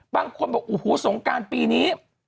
บางคนบอกสงการปีนี้